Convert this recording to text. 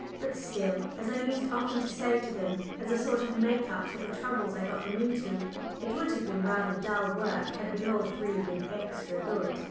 But still, as I used often to say to them as a sort of a make up for the troubles I got them into, it would have been rather dull work had we all three been extra good.